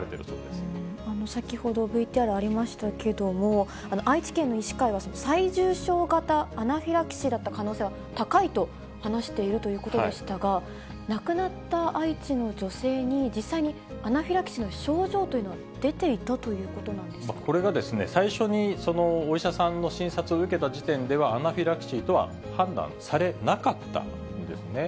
先ほど、ＶＴＲありましたけれども、愛知県の医師会は、最重症型アナフィラキシーだった可能性は高いと話しているということでしたが、亡くなった愛知の女性に、実際にアナフィラキシーの症状というのは出ていたということなんこれがですね、最初にお医者さんの診察を受けた時点では、アナフィラキシーとは判断されなかったんですね。